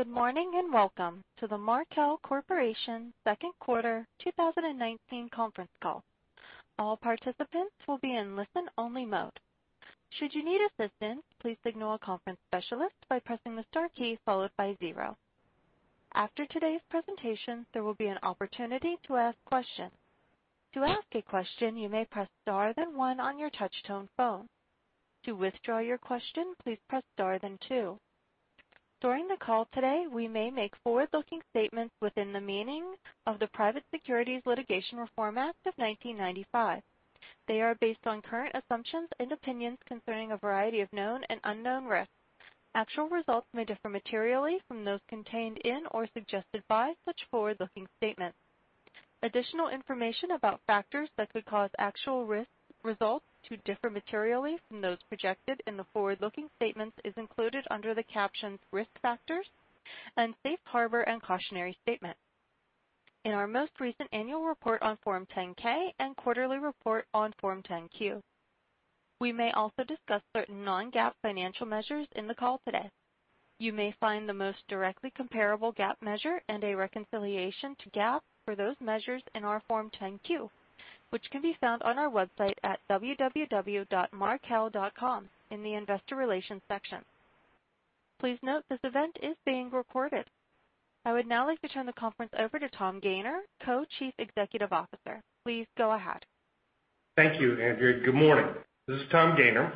Good morning, welcome to the Markel Corporation second quarter 2019 conference call. All participants will be in listen only mode. Should you need assistance, please signal a conference specialist by pressing the star key followed by zero. After today's presentation, there will be an opportunity to ask questions. To ask a question, you may press star, then one on your touchtone phone. To withdraw your question, please press star, then two. During the call today, we may make forward-looking statements within the meaning of the Private Securities Litigation Reform Act of 1995. They are based on current assumptions and opinions concerning a variety of known and unknown risks. Actual results may differ materially from those contained in or suggested by such forward-looking statements. Additional information about factors that could cause actual results to differ materially from those projected in the forward-looking statements is included under the captions "Risk Factors" and "Safe Harbor and Cautionary Statement" in our most recent annual report on Form 10-K and quarterly report on Form 10-Q. We may also discuss certain non-GAAP financial measures in the call today. You may find the most directly comparable GAAP measure and a reconciliation to GAAP for those measures in our Form 10-Q, which can be found on our website at www.markel.com in the investor relations section. Please note this event is being recorded. I would now like to turn the conference over to Tom Gayner, Co-Chief Executive Officer. Please go ahead. Thank you, Andrea. Good morning. This is Tom Gayner.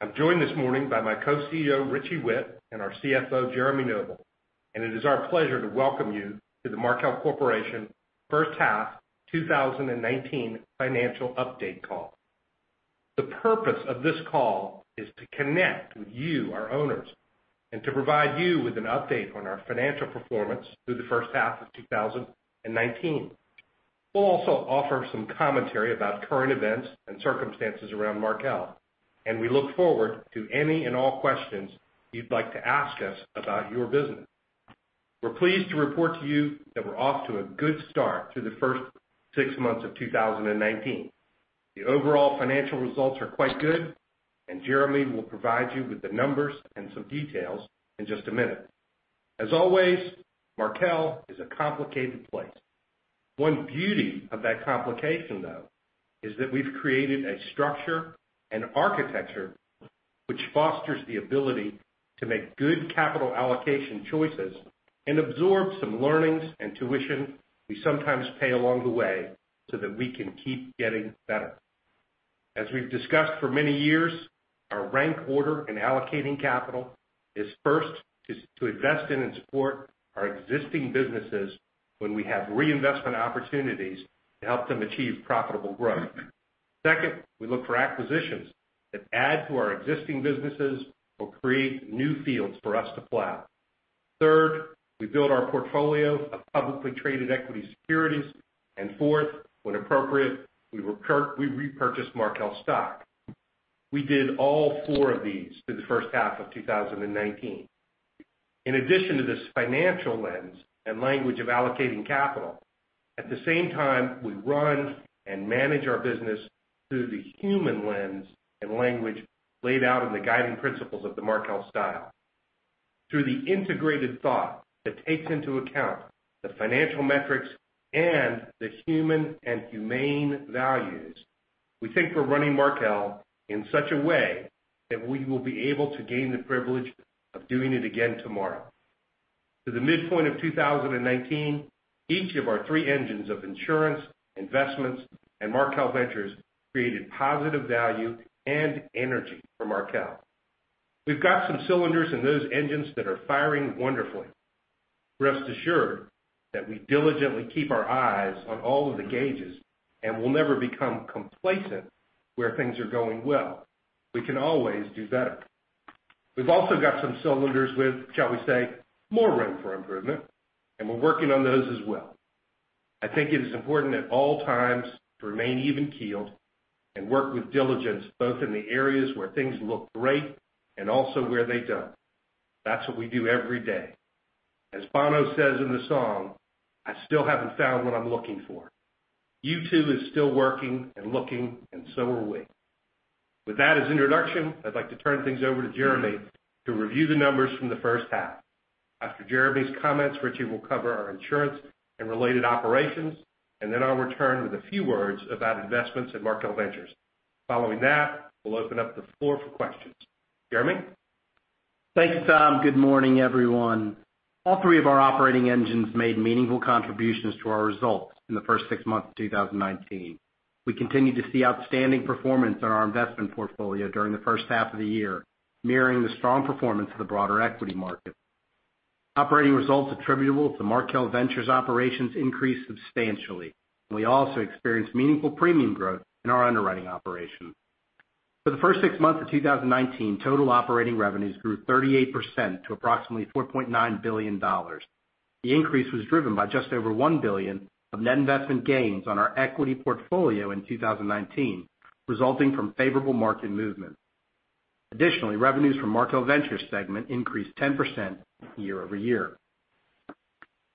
I'm joined this morning by my co-CEO, Richie Whitt, and our CFO, Jeremy Noble. It is our pleasure to welcome you to the Markel Corporation first half 2019 financial update call. The purpose of this call is to connect with you, our owners, and to provide you with an update on our financial performance through the first half of 2019. We'll also offer some commentary about current events and circumstances around Markel, and we look forward to any and all questions you'd like to ask us about your business. We're pleased to report to you that we're off to a good start to the first six months of 2019. The overall financial results are quite good, and Jeremy will provide you with the numbers and some details in just a minute. As always, Markel is a complicated place. One beauty of that complication, though, is that we've created a structure and architecture which fosters the ability to make good capital allocation choices and absorb some learnings and tuition we sometimes pay along the way so that we can keep getting better. As we've discussed for many years, our rank order in allocating capital is first to invest in and support our existing businesses when we have reinvestment opportunities to help them achieve profitable growth. Second, we look for acquisitions that add to our existing businesses or create new fields for us to plow. Third, we build our portfolio of publicly traded equity securities. Fourth, when appropriate, we repurchase Markel stock. We did all four of these through the first half of 2019. In addition to this financial lens and language of allocating capital, at the same time, we run and manage our business through the human lens and language laid out in the guiding principles of the Markel Style. Through the integrated thought that takes into account the financial metrics and the human and humane values, we think we're running Markel in such a way that we will be able to gain the privilege of doing it again tomorrow. Through the midpoint of 2019, each of our three engines of insurance, investments, and Markel Ventures created positive value and energy for Markel. We've got some cylinders in those engines that are firing wonderfully. Rest assured that we diligently keep our eyes on all of the gauges and will never become complacent where things are going well. We can always do better. We've also got some cylinders with, shall we say, more room for improvement, and we're working on those as well. I think it is important at all times to remain even-keeled and work with diligence both in the areas where things look great and also where they don't. That's what we do every day. As Bono says in the song, "I still haven't found what I'm looking for." U2 is still working and looking, and so are we. With that as introduction, I'd like to turn things over to Jeremy to review the numbers from the first half. After Jeremy's comments, Richie will cover our insurance and related operations, and then I'll return with a few words about investments in Markel Ventures. Following that, we'll open up the floor for questions. Jeremy? Thanks, Tom. Good morning, everyone. All three of our operating engines made meaningful contributions to our results in the first six months of 2019. We continued to see outstanding performance in our investment portfolio during the first half of the year, mirroring the strong performance of the broader equity market. Operating results attributable to Markel Ventures operations increased substantially. We also experienced meaningful premium growth in our underwriting operation. For the first six months of 2019, total operating revenues grew 38% to approximately $4.9 billion. The increase was driven by just over one billion of net investment gains on our equity portfolio in 2019, resulting from favorable market movement. Additionally, revenues from Markel Ventures segment increased 10% year-over-year.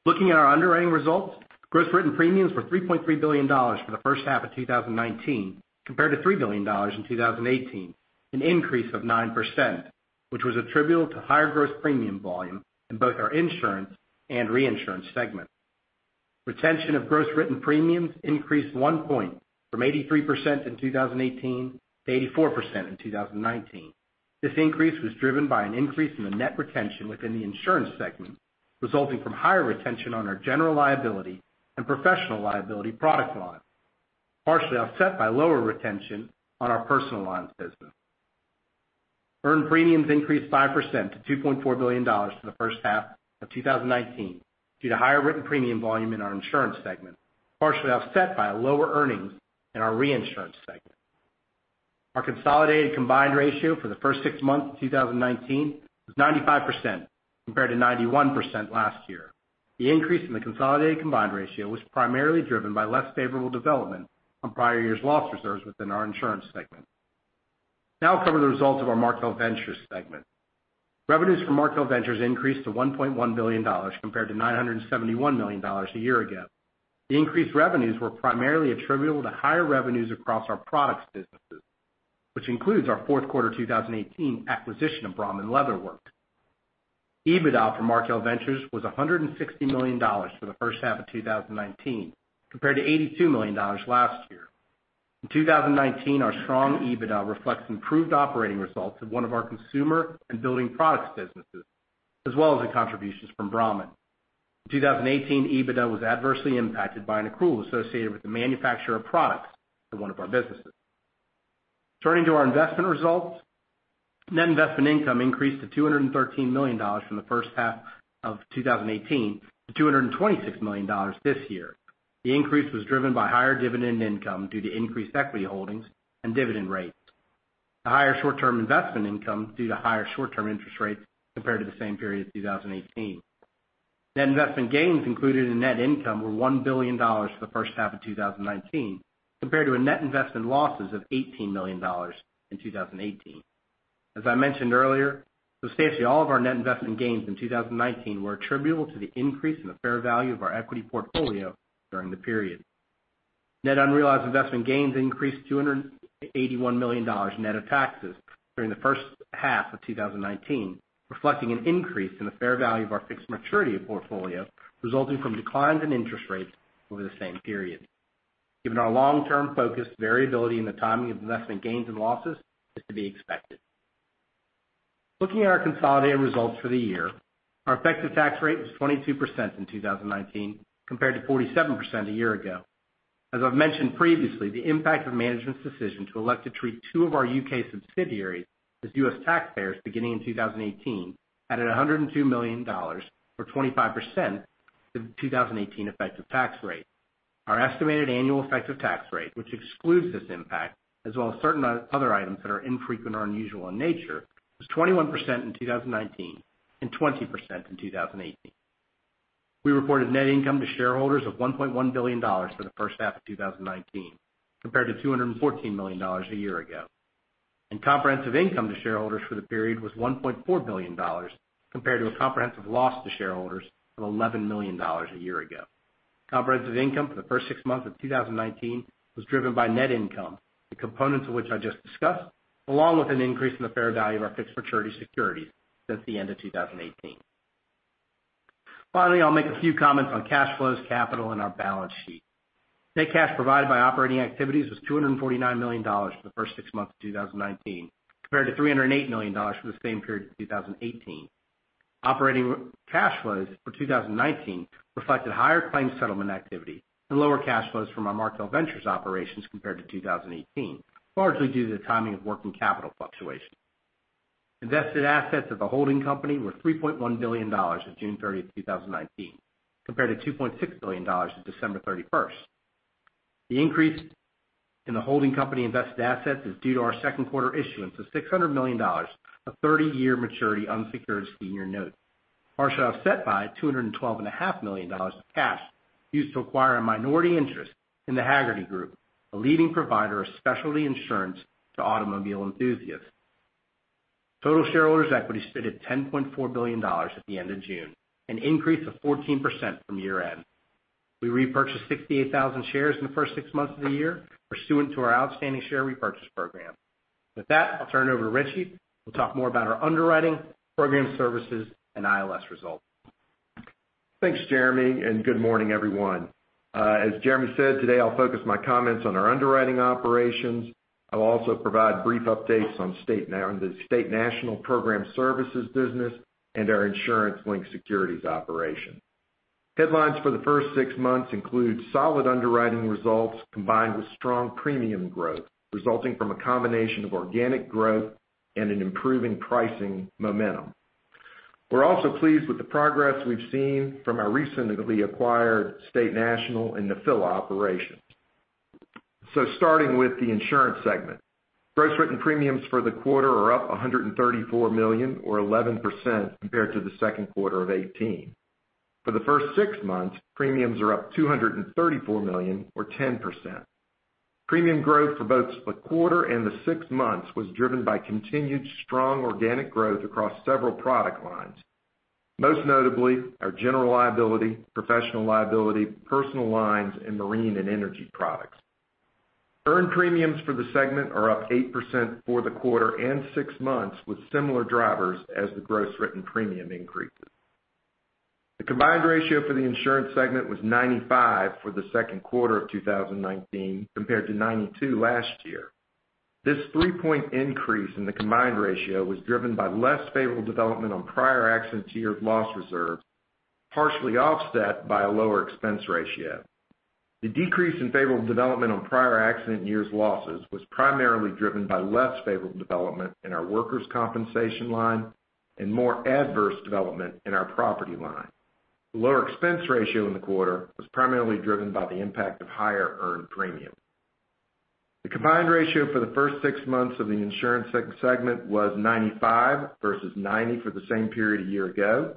Looking at our underwriting results, gross written premiums were $3.3 billion for the first half of 2019 compared to $3 billion in 2018, an increase of 9%, which was attributable to higher gross premium volume in both our insurance and reinsurance segment. Retention of gross written premiums increased one point from 83% in 2018 to 84% in 2019. This increase was driven by an increase in the net retention within the insurance segment, resulting from higher retention on our general liability and professional liability product line, partially offset by lower retention on our personal lines business. Earned premiums increased 5% to $2.4 billion for the first half of 2019 due to higher written premium volume in our insurance segment, partially offset by lower earnings in our reinsurance segment. Our consolidated combined ratio for the first six months of 2019 was 95% compared to 91% last year. The increase in the consolidated combined ratio was primarily driven by less favorable development on prior year's loss reserves within our insurance segment. I'll cover the results of our Markel Ventures segment. Revenues for Markel Ventures increased to $1.1 billion compared to $971 million a year ago. The increased revenues were primarily attributable to higher revenues across our products businesses, which includes our fourth quarter 2018 acquisition of Brahmin Leather Works. EBITDA for Markel Ventures was $160 million for the first half of 2019, compared to $82 million last year. In 2019, our strong EBITDA reflects improved operating results of one of our consumer and building products businesses, as well as the contributions from Brahmin. In 2018, EBITDA was adversely impacted by an accrual associated with the manufacture of products in one of our businesses. Turning to our investment results, net investment income increased to $213 million from the first half of 2018 to $226 million this year. The increase was driven by higher dividend income due to increased equity holdings and dividend rates. The higher short-term investment income was due to higher short-term interest rates compared to the same period in 2018. Net investment gains included in net income were $1 billion for the first half of 2019, compared to net investment losses of $18 million in 2018. As I mentioned earlier, substantially all of our net investment gains in 2019 were attributable to the increase in the fair value of our equity portfolio during the period. Net unrealized investment gains increased to $281 million net of taxes during the first half of 2019, reflecting an increase in the fair value of our fixed maturity portfolio, resulting from declines in interest rates over the same period. Given our long-term focus, variability in the timing of investment gains and losses is to be expected. Looking at our consolidated results for the year, our effective tax rate was 22% in 2019 compared to 47% a year ago. As I've mentioned previously, the impact of management's decision to elect to treat two of our U.K. subsidiaries as U.S. taxpayers beginning in 2018 added $102 million, or 25%, to the 2018 effective tax rate. Our estimated annual effective tax rate, which excludes this impact as well as certain other items that are infrequent or unusual in nature, was 21% in 2019 and 20% in 2018. We reported net income to shareholders of $1.1 billion for the first half of 2019, compared to $214 million a year ago. Comprehensive income to shareholders for the period was $1.4 billion, compared to a comprehensive loss to shareholders of $11 million a year ago. Comprehensive income for the first six months of 2019 was driven by net income, the components of which I just discussed, along with an increase in the fair value of our fixed maturity securities since the end of 2018. Finally, I'll make a few comments on cash flows, capital, and our balance sheet. Net cash provided by operating activities was $249 million for the first six months of 2019, compared to $308 million for the same period in 2018. Operating cash flows for 2019 reflected higher claim settlement activity and lower cash flows from our Markel Ventures operations compared to 2018, largely due to the timing of working capital fluctuation. Invested assets of the holding company were $3.1 billion of June 30, 2019, compared to $2.6 billion of December 31. The increase in the holding company invested assets is due to our second quarter issuance of $600 million of 30-year maturity unsecured senior notes, partially offset by $212.5 million of cash used to acquire a minority interest in The Hagerty Group, a leading provider of specialty insurance to automobile enthusiasts. Total shareholders' equity stood at $10.4 billion at the end of June, an increase of 14% from year-end. We repurchased 68,000 shares in the first six months of the year pursuant to our outstanding share repurchase program. With that, I'll turn it over to Richie, who'll talk more about our underwriting, program services, and ILS results. Thanks, Jeremy. Good morning, everyone. As Jeremy said, today I'll focus my comments on our underwriting operations. I'll also provide brief updates on the State National program services business and our insurance linked securities operation. Headlines for the first six months include solid underwriting results combined with strong premium growth, resulting from a combination of organic growth and an improving pricing momentum. We're also pleased with the progress we've seen from our recently acquired State National and Nephila operations. Starting with the insurance segment. Gross written premiums for the quarter are up $134 million, or 11%, compared to the second quarter of 2018. For the first six months, premiums are up $234 million, or 10%. Premium growth for both the quarter and the six months was driven by continued strong organic growth across several product lines. Most notably our general liability, professional liability, personal lines, and marine and energy products. Earned premiums for the segment are up 8% for the quarter and six months with similar drivers as the gross written premium increases. The combined ratio for the insurance segment was 95 for the second quarter of 2019, compared to 92 last year. This three-point increase in the combined ratio was driven by less favorable development on prior accident years' loss reserves, partially offset by a lower expense ratio. The decrease in favorable development on prior accident years' losses was primarily driven by less favorable development in our workers' compensation line and more adverse development in our property line. The lower expense ratio in the quarter was primarily driven by the impact of higher earned premium. The combined ratio for the first 6 months of the insurance segment was 95% versus 90% for the same period a year ago,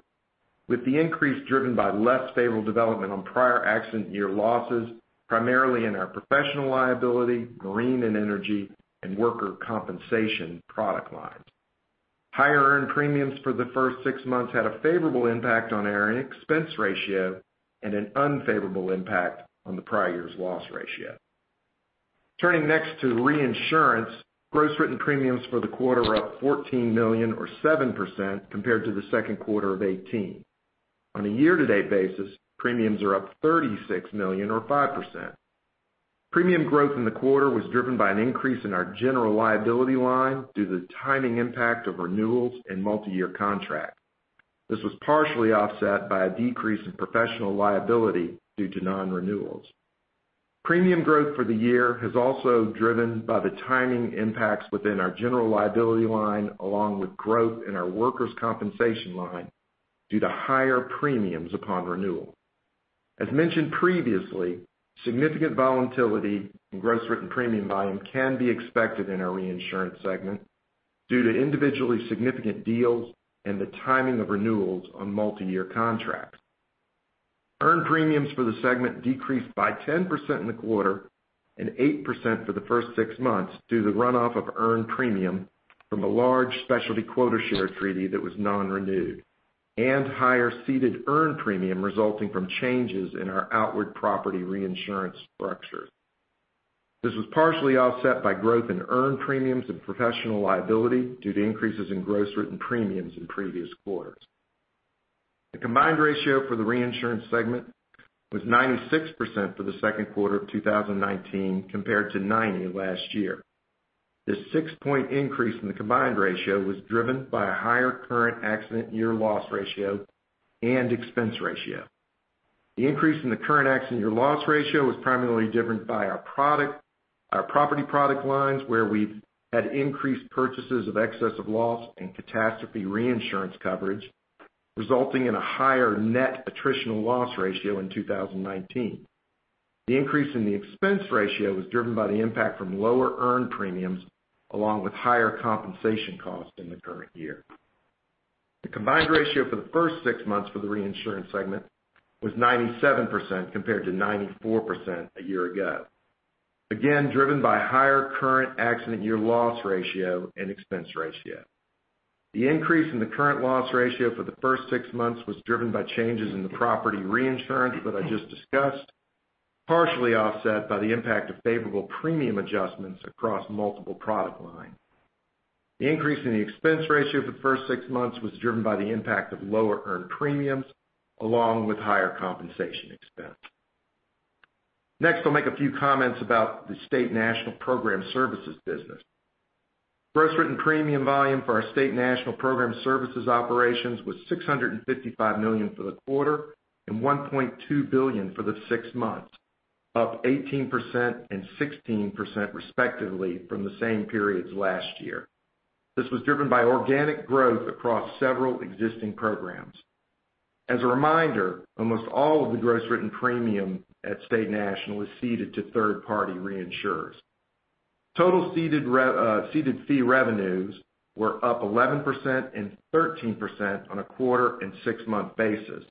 with the increase driven by less favorable development on prior accident year losses, primarily in our professional liability, marine and energy, and worker compensation product lines. Higher earned premiums for the first 6 months had a favorable impact on our expense ratio and an unfavorable impact on the prior year's loss ratio. Turning next to reinsurance, gross written premiums for the quarter are up $14 million or 7% compared to the second quarter of 2018. On a year-to-date basis, premiums are up $36 million or 5%. Premium growth in the quarter was driven by an increase in our general liability line due to the timing impact of renewals and multiyear contracts. This was partially offset by a decrease in professional liability due to nonrenewals. Premium growth for the year is also driven by the timing impacts within our general liability line, along with growth in our workers' compensation line due to higher premiums upon renewal. As mentioned previously, significant volatility in gross written premium volume can be expected in our reinsurance segment due to individually significant deals and the timing of renewals on multiyear contracts. Earned premiums for the segment decreased by 10% in the quarter and 8% for the first six months due to the runoff of earned premium from a large specialty quota share treaty that was nonrenewed, and higher ceded earned premium resulting from changes in our outward property reinsurance structure. This was partially offset by growth in earned premiums and professional liability due to increases in gross written premiums in previous quarters. The combined ratio for the reinsurance segment was 96% for the second quarter of 2019, compared to 90 last year. This six-point increase in the combined ratio was driven by a higher current accident year loss ratio and expense ratio. The increase in the current accident year loss ratio was primarily driven by our property product lines, where we've had increased purchases of excess of loss and catastrophe reinsurance coverage, resulting in a higher net attritional loss ratio in 2019. The increase in the expense ratio was driven by the impact from lower earned premiums, along with higher compensation costs in the current year. The combined ratio for the first six months for the reinsurance segment was 97% compared to 94% a year ago. Again, driven by higher current accident year loss ratio and expense ratio. The increase in the current loss ratio for the first six months was driven by changes in the property reinsurance that I just discussed, partially offset by the impact of favorable premium adjustments across multiple product lines. The increase in the expense ratio for the first six months was driven by the impact of lower earned premiums, along with higher compensation expense. Next, I'll make a few comments about the State National Program Services business. Gross written premium volume for our State National Program Services operations was $655 million for the quarter and $1.2 billion for the six months, up 18% and 16% respectively from the same periods last year. This was driven by organic growth across several existing programs. As a reminder, almost all of the gross written premium at State National is ceded to third-party reinsurers. Total ceded fee revenues were up 11% and 13% on a quarter and six-month basis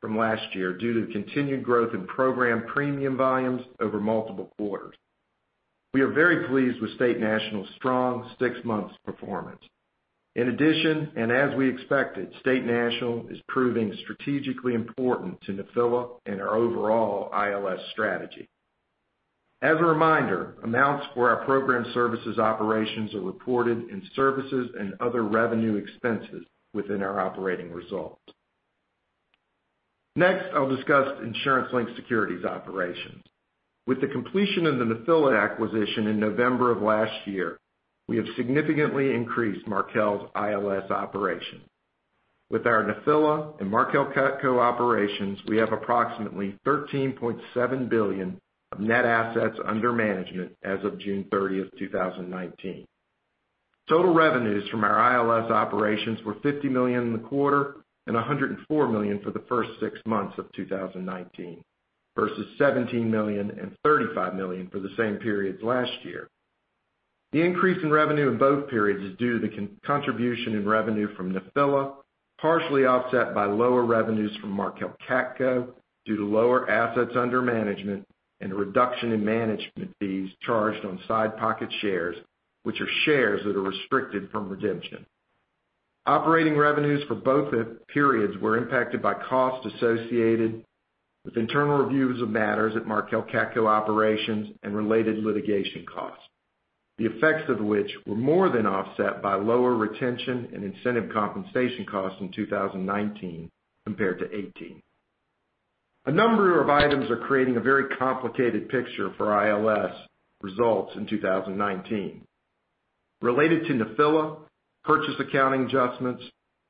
from last year due to continued growth in program premium volumes over multiple quarters. We are very pleased with State National's strong six months performance. In addition, and as we expected, State National is proving strategically important to Nephila and our overall ILS strategy. As a reminder, amounts for our program services operations are reported in services and other revenue expenses within our operating results. Next, I'll discuss insurance-linked securities operations. With the completion of the Nephila acquisition in November of last year, we have significantly increased Markel's ILS operation. With our Nephila and Markel CATCo operations, we have approximately $13.7 billion of net assets under management as of June 30, 2019. Total revenues from our ILS operations were $50 million in the quarter and $104 million for the first six months of 2019 versus $17 million and $35 million for the same periods last year. The increase in revenue in both periods is due to the contribution in revenue from Nephila, partially offset by lower revenues from Markel CATCo due to lower assets under management and a reduction in management fees charged on side pocket shares, which are shares that are restricted from redemption. Operating revenues for both periods were impacted by costs associated with internal reviews of matters at Markel CATCo operations and related litigation costs, the effects of which were more than offset by lower retention and incentive compensation costs in 2019 compared to 2018. A number of items are creating a very complicated picture for ILS results in 2019. Related to Nephila, purchase accounting adjustments,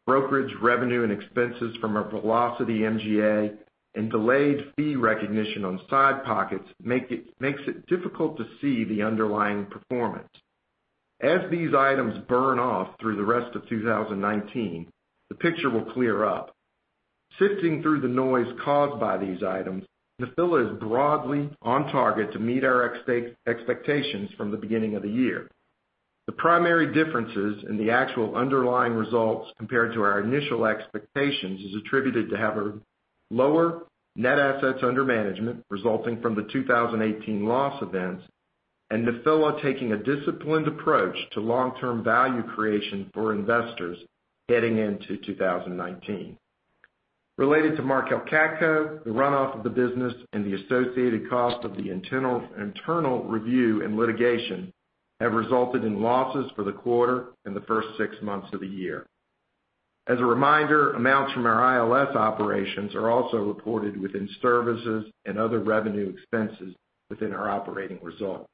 brokerage revenue and expenses from our Velocity MGA, and delayed fee recognition on side pockets makes it difficult to see the underlying performance. As these items burn off through the rest of 2019, the picture will clear up. Sifting through the noise caused by these items, Nephila is broadly on target to meet our expectations from the beginning of the year. The primary differences in the actual underlying results compared to our initial expectations is attributed to have lower net assets under management resulting from the 2018 loss events and Nephila taking a disciplined approach to long-term value creation for investors heading into 2019. Related to Markel CATCo, the runoff of the business and the associated cost of the internal review and litigation have resulted in losses for the quarter and the first six months of the year. As a reminder, amounts from our ILS operations are also reported within services and other revenue expenses within our operating result.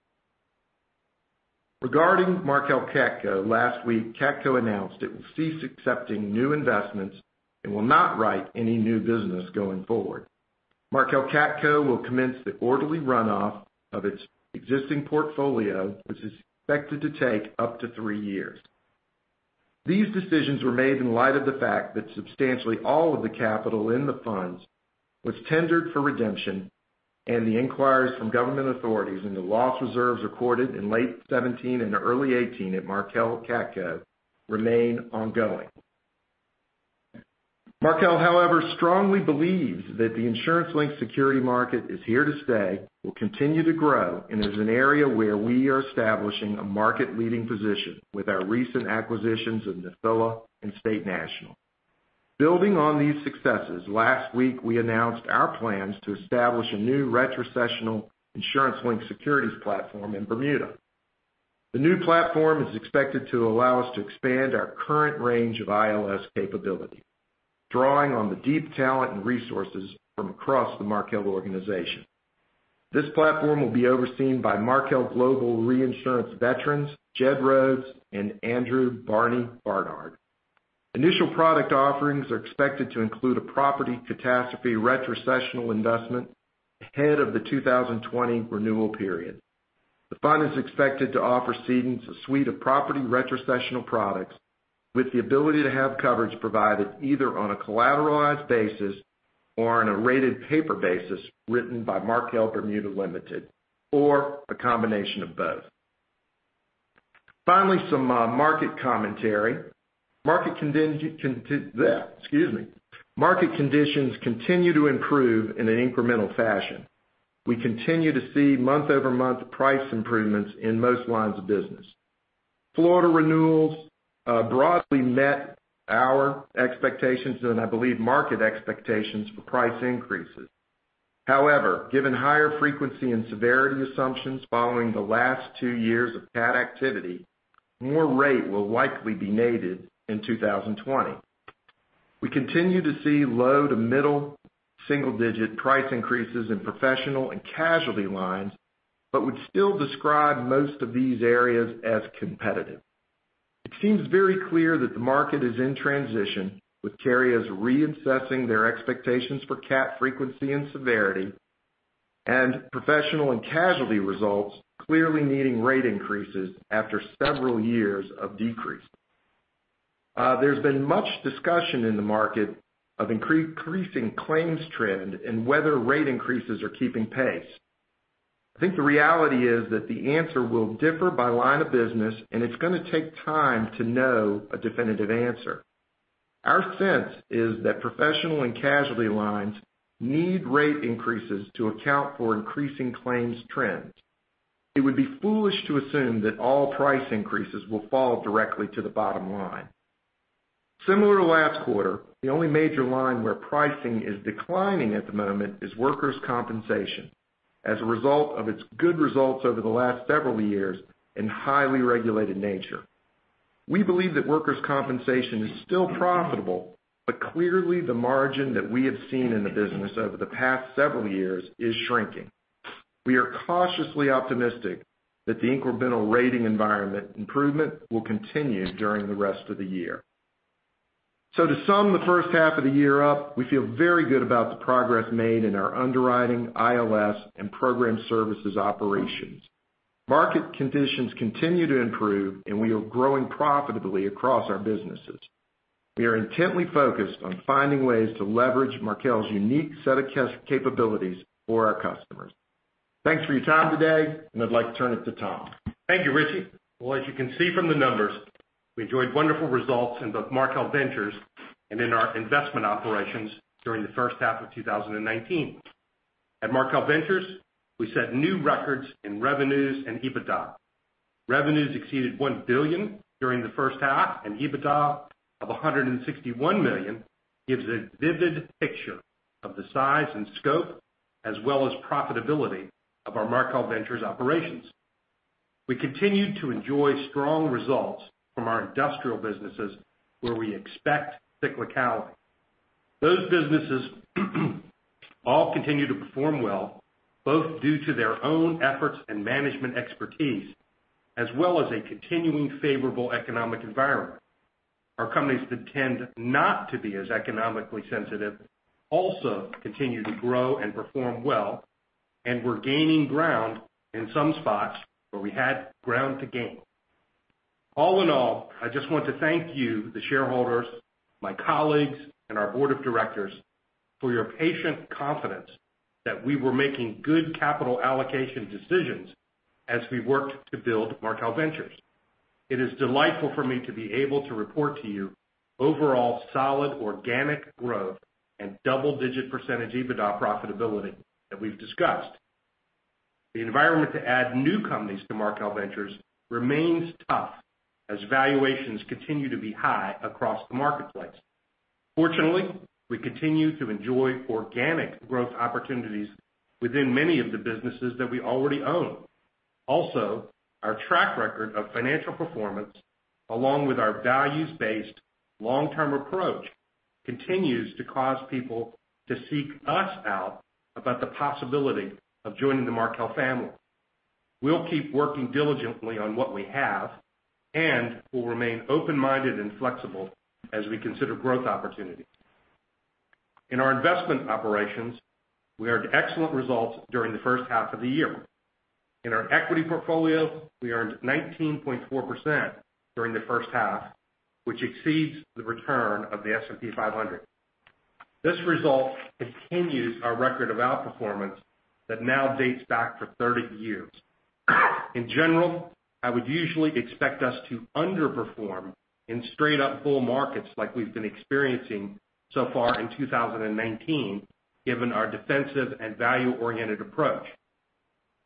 Regarding Markel CATCo, last week CATCo announced it will cease accepting new investments and will not write any new business going forward. Markel CATCo will commence the orderly runoff of its existing portfolio, which is expected to take up to three years. These decisions were made in light of the fact that substantially all of the capital in the funds was tendered for redemption, and the inquiries from government authorities and the loss reserves recorded in late 2017 and early 2018 at Markel CATCo remain ongoing. Markel, however, strongly believes that the insurance-linked security market is here to stay, will continue to grow, and is an area where we are establishing a market-leading position with our recent acquisitions of Nephila and State National. Building on these successes, last week we announced our plans to establish a new retrocessional insurance-linked securities platform in Bermuda. The new platform is expected to allow us to expand our current range of ILS capability, drawing on the deep talent and resources from across the Markel organization. This platform will be overseen by Markel Global Reinsurance veterans Jed Rhoads and Andrew Barnard. Initial product offerings are expected to include a property catastrophe retrocessional investment ahead of the 2020 renewal period. The fund is expected to offer CDNs a suite of property retrocessional products with the ability to have coverage provided either on a collateralized basis or on a rated paper basis written by Markel Bermuda Limited, or a combination of both. Finally, some market commentary. Market conditions continue to improve in an incremental fashion. We continue to see month-over-month price improvements in most lines of business. Florida renewals broadly met our expectations and I believe market expectations for price increases. However, given higher frequency and severity assumptions following the last two years of CAT activity, more rate will likely be needed in 2020. We continue to see low to middle single-digit price increases in professional and casualty lines, but would still describe most of these areas as competitive. It seems very clear that the market is in transition, with carriers reassessing their expectations for CAT frequency and severity, and professional and casualty results clearly needing rate increases after several years of decrease. There's been much discussion in the market of increasing claims trend and whether rate increases are keeping pace. I think the reality is that the answer will differ by line of business, and it's going to take time to know a definitive answer. Our sense is that professional and casualty lines need rate increases to account for increasing claims trends. It would be foolish to assume that all price increases will fall directly to the bottom line. Similar to last quarter, the only major line where pricing is declining at the moment is workers' compensation, as a result of its good results over the last several years and highly regulated nature. We believe that workers' compensation is still profitable, but clearly the margin that we have seen in the business over the past several years is shrinking. We are cautiously optimistic that the incremental rating environment improvement will continue during the rest of the year. To sum the first half of the year up, we feel very good about the progress made in our underwriting, ILS, and program services operations. Market conditions continue to improve, and we are growing profitably across our businesses. We are intently focused on finding ways to leverage Markel's unique set of capabilities for our customers. Thanks for your time today, and I'd like to turn it to Tom. Thank you, Richie. Well, as you can see from the numbers, we enjoyed wonderful results in both Markel Ventures and in our investment operations during the first half of 2019. At Markel Ventures, we set new records in revenues and EBITDA. Revenues exceeded $1 billion during the first half. EBITDA of $161 million gives a vivid picture of the size and scope as well as profitability of our Markel Ventures operations. We continued to enjoy strong results from our industrial businesses where we expect cyclicality. Those businesses all continue to perform well, both due to their own efforts and management expertise, as well as a continuing favorable economic environment. Our companies that tend not to be as economically sensitive also continue to grow and perform well, and we're gaining ground in some spots where we had ground to gain. All in all, I just want to thank you, the shareholders, my colleagues, and our board of directors for your patient confidence that we were making good capital allocation decisions as we worked to build Markel Ventures. It is delightful for me to be able to report to you overall solid organic growth and double-digit % EBITDA profitability that we've discussed. The environment to add new companies to Markel Ventures remains tough as valuations continue to be high across the marketplace. Fortunately, we continue to enjoy organic growth opportunities within many of the businesses that we already own. Also, our track record of financial performance, along with our values-based long-term approach, continues to cause people to seek us out about the possibility of joining the Markel family. We'll keep working diligently on what we have, and we'll remain open-minded and flexible as we consider growth opportunities. In our investment operations, we earned excellent results during the first half of the year. In our equity portfolio, we earned 19.4% during the first half, which exceeds the return of the S&P 500. This result continues our record of outperformance that now dates back for 30 years. In general, I would usually expect us to underperform in straight up bull markets like we've been experiencing so far in 2019, given our defensive and value-oriented approach.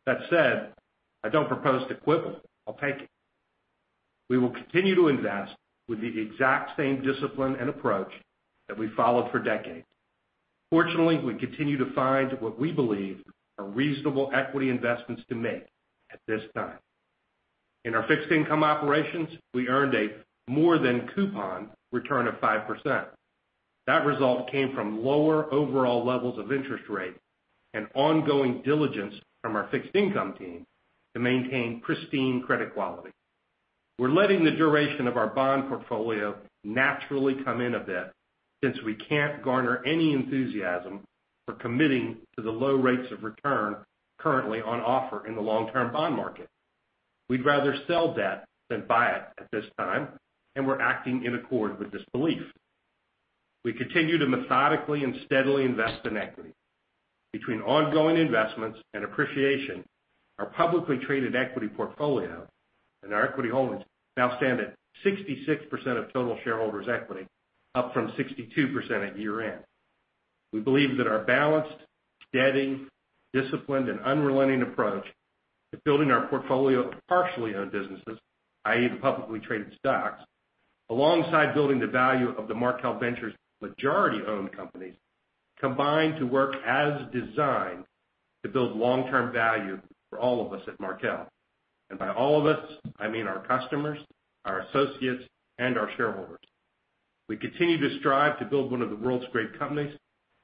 That said, I don't propose to quibble. I'll take it. We will continue to invest with the exact same discipline and approach that we followed for decades. Fortunately, we continue to find what we believe are reasonable equity investments to make at this time. In our fixed income operations, we earned a more than coupon return of 5%. That result came from lower overall levels of interest rates and ongoing diligence from our fixed income team to maintain pristine credit quality. We're letting the duration of our bond portfolio naturally come in a bit since we can't garner any enthusiasm for committing to the low rates of return currently on offer in the long-term bond market. We'd rather sell debt than buy it at this time, and we're acting in accord with this belief. We continue to methodically and steadily invest in equity. Between ongoing investments and appreciation, our publicly traded equity portfolio and our equity holdings now stand at 66% of total shareholders' equity, up from 62% at year-end. We believe that our balanced, steady, disciplined, and unrelenting approach to building our portfolio of partially owned businesses, i.e., the publicly traded stocks, alongside building the value of the Markel Ventures' majority-owned companies, combine to work as designed to build long-term value for all of us at Markel. By all of us, I mean our customers, our associates, and our shareholders. We continue to strive to build one of the world's great companies,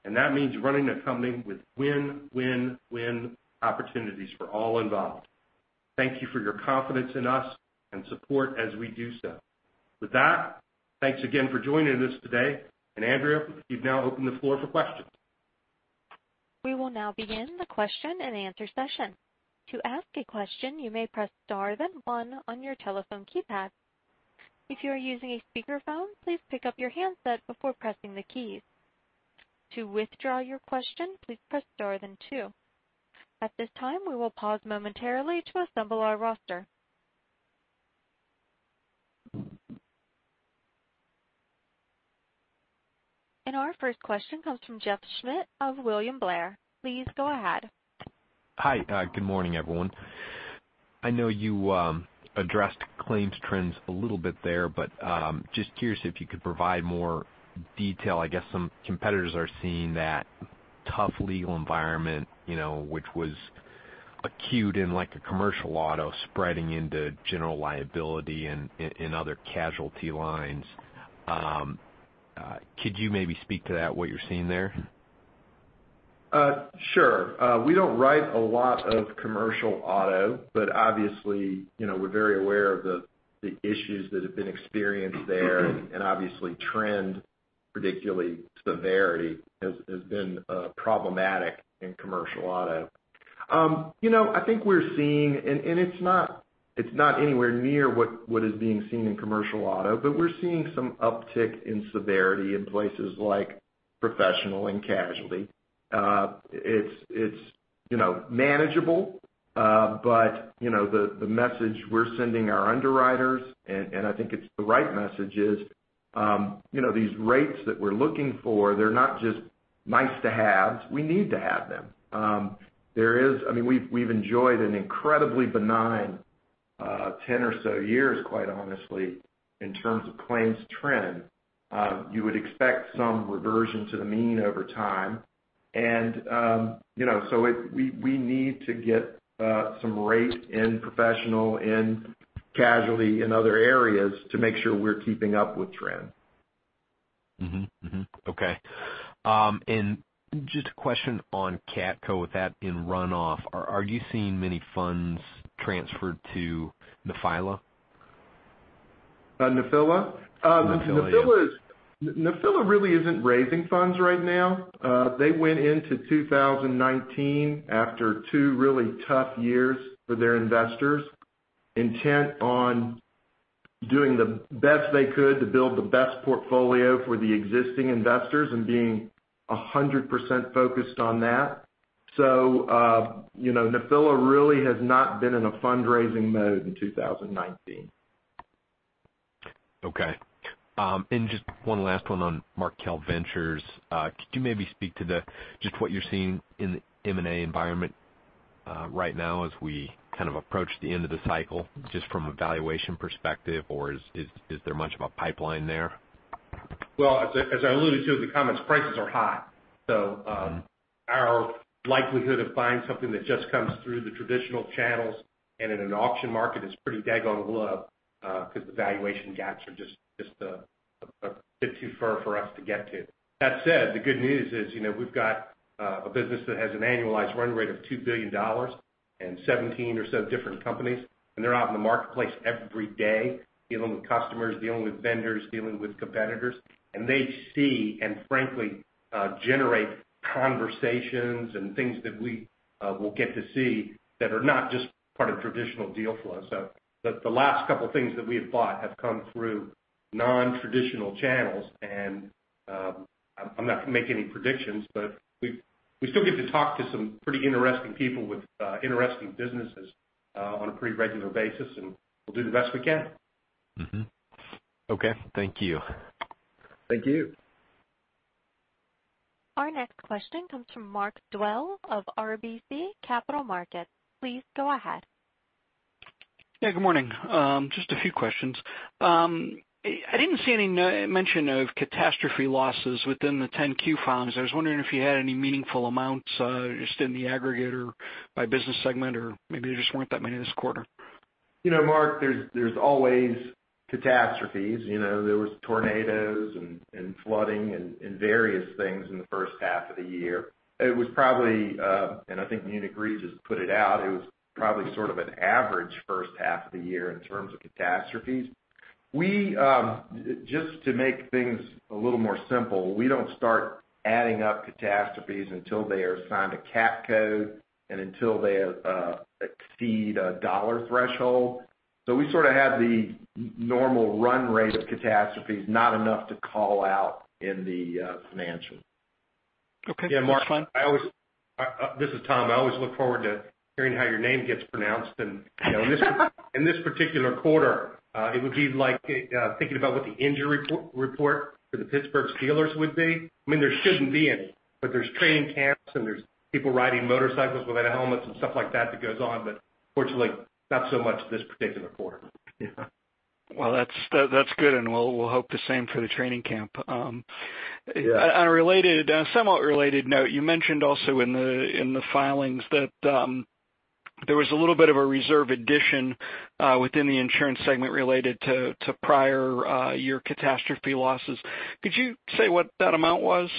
and that means running a company with win-win-win opportunities for all involved. Thank you for your confidence in us and support as we do so. With that, thanks again for joining us today. Andrea, you now open the floor for questions. We will now begin the question and answer session. To ask a question, you may press star then one on your telephone keypad. If you are using a speakerphone, please pick up your handset before pressing the keys. To withdraw your question, please press star then two. At this time, we will pause momentarily to assemble our roster. Our first question comes from Jeff Schmitt of William Blair. Please go ahead. Hi. Good morning, everyone. I know you addressed claims trends a little bit there, but just curious if you could provide more detail. I guess some competitors are seeing that tough legal environment, which was acute in commercial auto spreading into general liability and other casualty lines. Could you maybe speak to that, what you're seeing there? Sure. We don't write a lot of commercial auto, obviously, we're very aware of the issues that have been experienced there and obviously trend. particularly severity, has been problematic in commercial auto. I think we're seeing, and it's not anywhere near what is being seen in commercial auto, but we're seeing some uptick in severity in places like professional and casualty. It's manageable. The message we're sending our underwriters, and I think it's the right message, is these rates that we're looking for, they're not just nice to have. We need to have them. We've enjoyed an incredibly benign 10 or so years, quite honestly, in terms of claims trend. You would expect some reversion to the mean over time. We need to get some rate in professional and casualty in other areas to make sure we're keeping up with trend. Okay. Just a question on CatCo with that in runoff. Are you seeing many funds transferred to Nephila? Nafila? Nephila, yeah. Nephila really isn't raising funds right now. They went into 2019 after two really tough years for their investors, intent on doing the best they could to build the best portfolio for the existing investors and being 100% focused on that. Nephila really has not been in a fundraising mode in 2019. Okay. Just one last one on Markel Ventures. Could you maybe speak to just what you're seeing in the M&A environment right now as we kind of approach the end of the cycle, just from a valuation perspective, or is there much of a pipeline there? Well, as I alluded to in the comments, prices are high. Our likelihood of finding something that just comes through the traditional channels and in an auction market is pretty daggone low, because the valuation gaps are just a bit too far for us to get to. That said, the good news is we've got a business that has an annualized run rate of $2 billion and 17 or so different companies, and they're out in the marketplace every day dealing with customers, dealing with vendors, dealing with competitors. They see and frankly, generate conversations and things that we will get to see that are not just part of traditional deal flow. The last couple things that we have bought have come through non-traditional channels. I'm not going to make any predictions, but we still get to talk to some pretty interesting people with interesting businesses on a pretty regular basis, and we'll do the best we can. Okay. Thank you. Thank you. Our next question comes from Mark Dwelle of RBC Capital Markets. Please go ahead. Yeah, good morning. Just a few questions. I didn't see any mention of catastrophe losses within the Form 10-Q filings. I was wondering if you had any meaningful amounts just in the aggregate or by business segment, or maybe there just weren't that many this quarter. Mark, there's always catastrophes. There was tornadoes and flooding and various things in the first half of the year. It was probably, and I think Munich Re just put it out, it was probably sort of an average first half of the year in terms of catastrophes. Just to make things a little more simple, we don't start adding up catastrophes until they are assigned a CATCo and until they exceed a dollar threshold. We sort of have the normal run rate of catastrophes, not enough to call out in the financials. Okay. Yeah, Mark. This is Tom. I always look forward to hearing how your name gets pronounced. In this particular quarter, it would be like thinking about what the injury report for the Pittsburgh Steelers would be. There shouldn't be any, but there's training camps, and there's people riding motorcycles without helmets and stuff like that that goes on, but fortunately, not so much this particular quarter. Yeah. Well, that's good, and we'll hope the same for the training camp. Yeah. On a somewhat related note, you mentioned also in the filings that there was a little bit of a reserve addition within the insurance segment related to prior year catastrophe losses. Could you say what that amount was?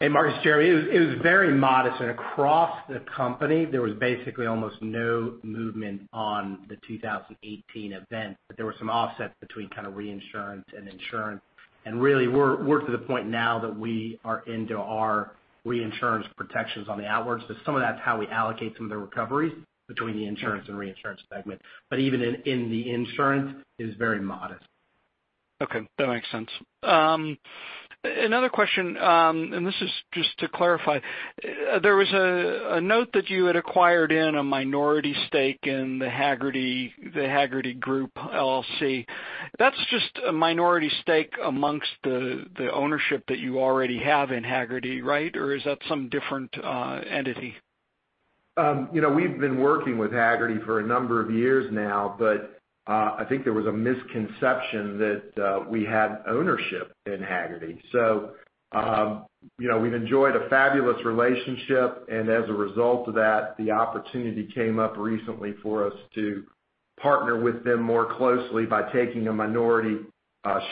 Hey, Mark, it's Jeremy. It was very modest, and across the company, there was basically almost no movement on the 2018 event. There were some offsets between kind of reinsurance and insurance. Really, we're to the point now that we are into our reinsurance protections on the outwards, but some of that's how we allocate some of the recoveries between the insurance and reinsurance segment. Even in the insurance, it is very modest. Okay. That makes sense. This is just to clarify. There was a note that you had acquired in a minority stake in The Hagerty Group, LLC. That's just a minority stake amongst the ownership that you already have in Hagerty, right? Is that some different entity? We've been working with Hagerty for a number of years now, but I think there was a misconception that we had ownership in Hagerty. We've enjoyed a fabulous relationship, and as a result of that, the opportunity came up recently for us to partner with them more closely by taking a minority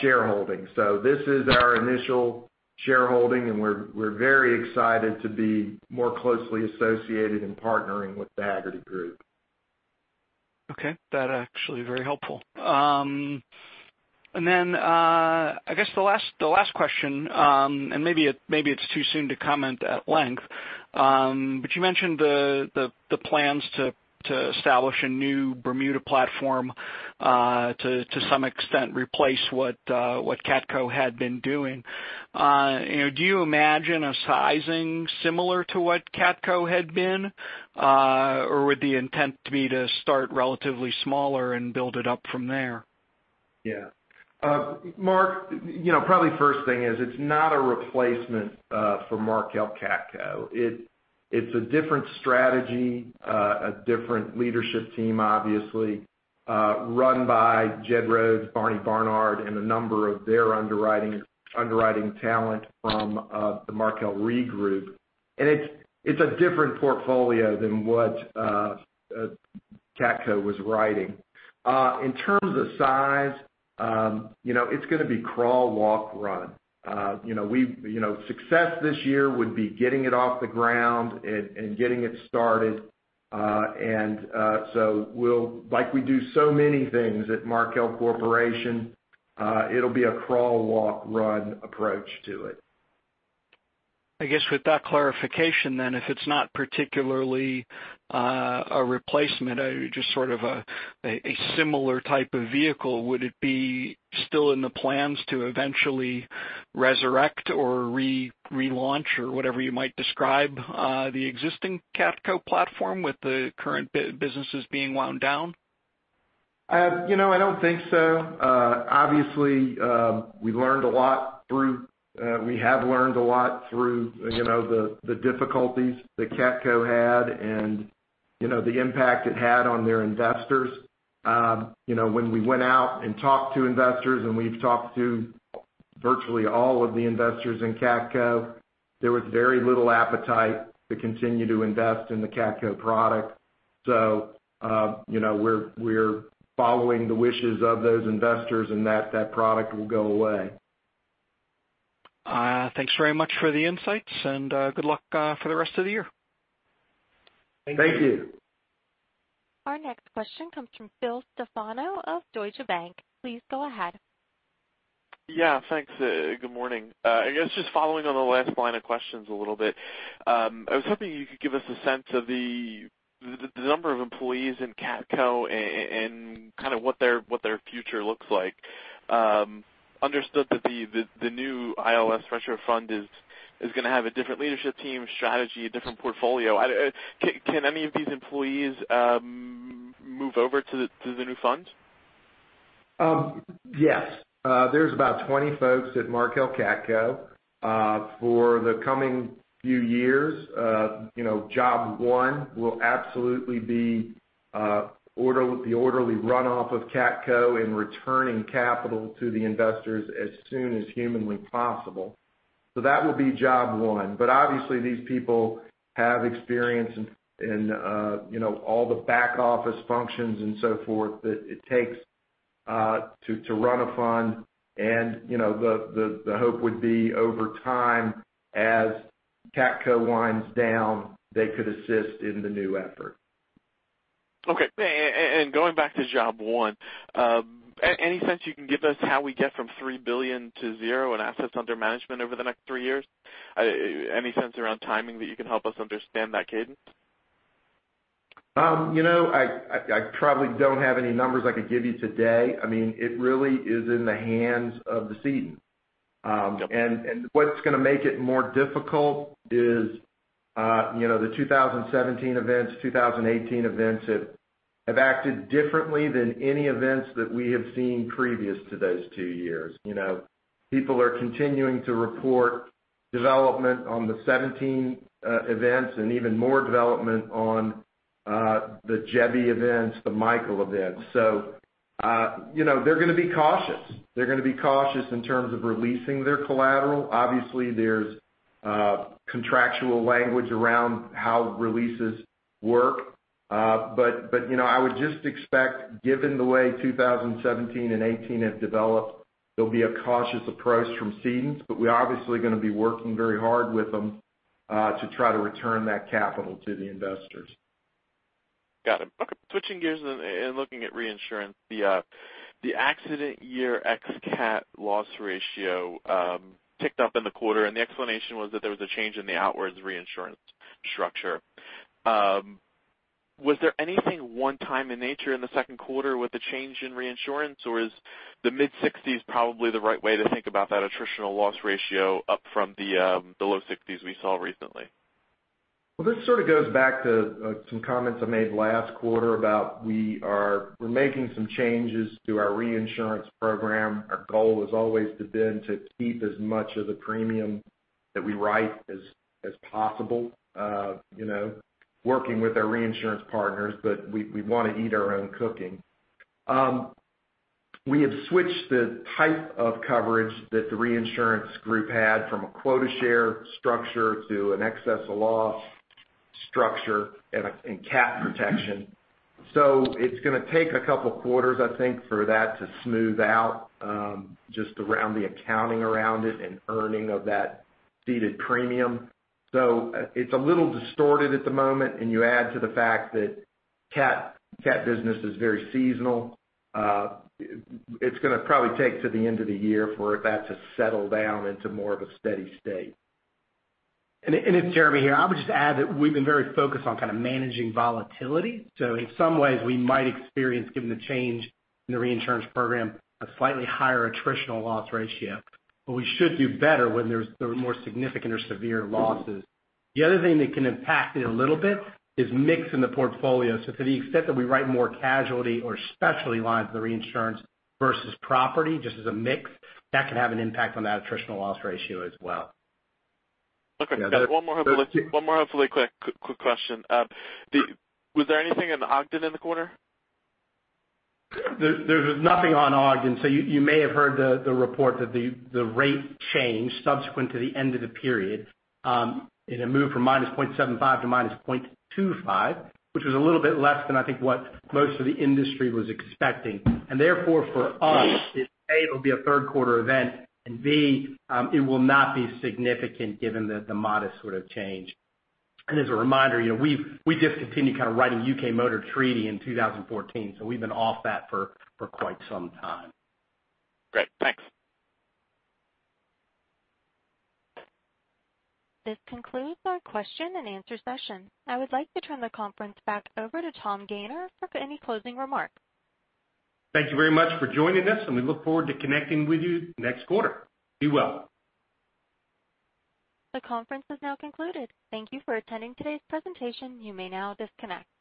shareholding. This is our initial shareholding, and we're very excited to be more closely associated and partnering with the Hagerty Group. Okay. That actually very helpful. I guess the last question, and maybe it's too soon to comment at length, but you mentioned the plans to establish a new Bermuda platform, to some extent replace what CatCo had been doing. Do you imagine a sizing similar to what CatCo had been? Would the intent be to start relatively smaller and build it up from there? Yeah. Mark, probably first thing is it's not a replacement for Markel CATCo. It's a different strategy, a different leadership team, obviously, run by Jed Rhoads, Barney Barnard, and a number of their underwriting talent from the Markel Re group. It's a different portfolio than what CATCo was writing. In terms of size, it's going to be crawl, walk, run. Success this year would be getting it off the ground and getting it started. Like we do so many things at Markel Corporation, it'll be a crawl, walk, run approach to it. I guess with that clarification, then, if it's not particularly a replacement, just sort of a similar type of vehicle, would it be still in the plans to eventually resurrect or relaunch or whatever you might describe the existing CATCo platform with the current businesses being wound down? I don't think so. Obviously, we have learned a lot through the difficulties that CatCo had and the impact it had on their investors. When we went out and talked to investors, and we've talked to virtually all of the investors in CatCo, there was very little appetite to continue to invest in the CatCo product. We're following the wishes of those investors, and that product will go away. Thanks very much for the insights, and good luck for the rest of the year. Thank you. Our next question comes from Phil Stefano of Deutsche Bank. Please go ahead. Thanks. Good morning. I guess just following on the last line of questions a little. I was hoping you could give us a sense of the number of employees in CATCo and kind of what their future looks like. Understood that the new ILS retro fund is going to have a different leadership team, strategy, a different portfolio. Can any of these employees move over to the new fund? There's about 20 folks at Markel CATCo. For the coming few years, job one will absolutely be the orderly runoff of CATCo and returning capital to the investors as soon as humanly possible. That will be job one. Obviously these people have experience in all the back office functions and so forth that it takes to run a fund. The hope would be over time as CATCo winds down, they could assist in the new effort. Okay. Going back to job one, any sense you can give us how we get from $3 billion to zero in assets under management over the next three years? Any sense around timing that you can help us understand that cadence? I probably don't have any numbers I could give you today. It really is in the hands of the ceding. What's going to make it more difficult is the 2017 events, 2018 events have acted differently than any events that we have seen previous to those two years. People are continuing to report development on the 2017 events and even more development on the Jebi events, the Michael events. They're going to be cautious. They're going to be cautious in terms of releasing their collateral. Obviously, there's contractual language around how releases work. I would just expect given the way 2017 and 2018 have developed, there'll be a cautious approach from cedents, but we're obviously going to be working very hard with them to try to return that capital to the investors. Got it. Okay. Switching gears and looking at reinsurance, the accident year ex-CAT loss ratio ticked up in the quarter, and the explanation was that there was a change in the outwards reinsurance structure. Was there anything one time in nature in the second quarter with the change in reinsurance, or is the mid-60s probably the right way to think about that attritional loss ratio up from the low 60s we saw recently? Well, this sort of goes back to some comments I made last quarter about we're making some changes to our reinsurance program. Our goal has always been to keep as much of the premium that we write as possible, working with our reinsurance partners, but we want to eat our own cooking. We have switched the type of coverage that the reinsurance group had from a quota share structure to an excess of loss structure and CAT protection. It's going to take a couple of quarters, I think, for that to smooth out, just around the accounting around it and earning of that ceded premium. It's a little distorted at the moment, and you add to the fact that CAT business is very seasonal. It's going to probably take to the end of the year for that to settle down into more of a steady state. It's Jeremy here. I would just add that we've been very focused on kind of managing volatility. In some ways we might experience, given the change in the reinsurance program, a slightly higher attritional loss ratio, but we should do better when there's more significant or severe losses. The other thing that can impact it a little bit is mix in the portfolio. To the extent that we write more casualty or specialty lines of the reinsurance versus property, just as a mix, that can have an impact on that attritional loss ratio as well. Okay. Got it. One more hopefully quick question. Was there anything in the Ogden in the quarter? There's nothing on Ogden. You may have heard the report that the rate change subsequent to the end of the period, it had moved from -0.75 to -0.25, which was a little bit less than I think what most of the industry was expecting. Therefore, for us, it A, it'll be a third quarter event, and B, it will not be significant given the modest sort of change. As a reminder, we discontinued kind of writing UK Motor Treaty in 2014, so we've been off that for quite some time. Great. Thanks. This concludes our question and answer session. I would like to turn the conference back over to Tom Gayner for any closing remarks. Thank you very much for joining us. We look forward to connecting with you next quarter. Be well. The conference is now concluded. Thank you for attending today's presentation. You may now disconnect.